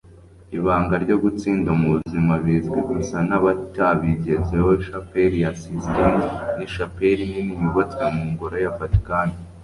ibanga ryo gutsinda mubuzima bizwi gusa nabatabigezeho. chapel ya sistine ni shapeli nini yubatswe mu ngoro ya vatikani